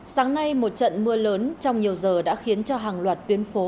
sáng nay một trận mưa lớn trong nhiều giờ đã khiến cho hàng loạt tuyến phố